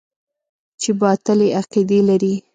چې باطلې عقيدې لري.